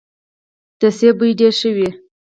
د مڼې بوی ډیر ښه وي.